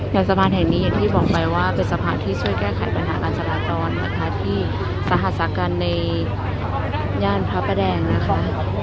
สะพานแห่งนี้อย่างที่บอกไปว่าเป็นสะพานที่ช่วยแก้ไขปัญหาการจราจรนะคะที่สหัสสาการในย่านพระประแดงนะคะ